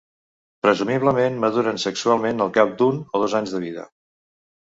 Presumiblement maduren sexualment al cap d'un o dos anys de vida.